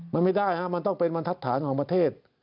มันไม่ได้ฮะมันต้องเป็นบรรทัศนของประเทศ